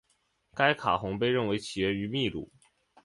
该卡洪被认为起源于秘鲁。